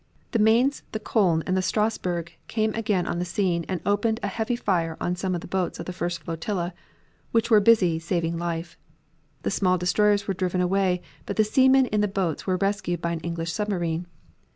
The Mainz, the Koln, and the Strasburg came again on the scene, and opened a heavy fire on some of the boats of the first flotilla which were busy saving life. The small destroyers were driven away, but the seamen in the boats were rescued by an English submarine.